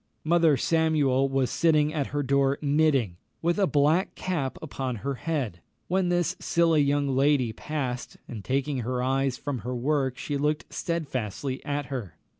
Mother Samuel was sitting at her door knitting, with a black cap upon her head, when this silly young lady passed, and taking her eyes from her work she looked stedfastly at her.